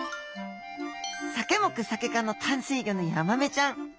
サケ目サケ科の淡水魚のヤマメちゃん。